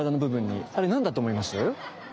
あれ何だと思います？